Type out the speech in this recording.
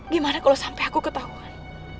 gimana kalau sampai aku ketahuan